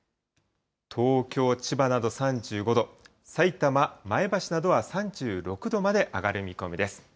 東京、千葉など３５度、さいたま、前橋などは３６度まで上がる見込みです。